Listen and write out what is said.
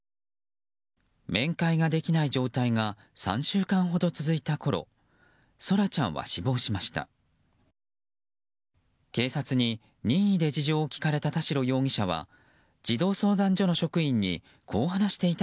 面会ができない状態が３週間ほど続いたころ空来ちゃんは死亡しました。